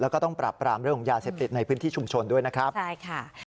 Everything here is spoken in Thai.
แล้วก็ต้องปรับปรามเรื่องของยาเสพติดในพื้นที่ชุมชนด้วยนะครับใช่ค่ะ